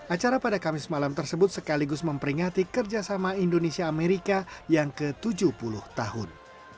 acara pada kamis malam tersebut sekaligus memperingati kerjasama indonesia amerika yang ke tujuh puluh tahun